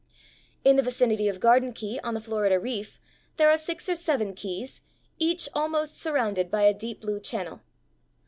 ] In the vicinity of Garden Key on the Florida Reef there are six or seven keys, each almost surrounded by a deep blue channel.